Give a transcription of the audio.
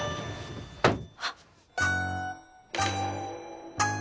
あっ。